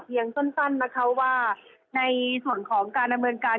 เพียงสั้นนะคะว่าในส่วนของการดำเนินการ